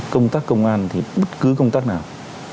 công tác công an thì bất cứ công tác nào